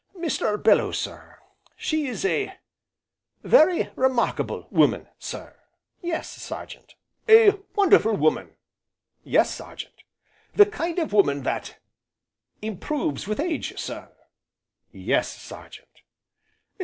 "Mr. Bellew, sir she is a very remarkable woman, sir!" "Yes, Sergeant!" "A wonderful woman!" "Yes, Sergeant!" "The kind of woman that improves with age, sir!" "Yes, Sergeant."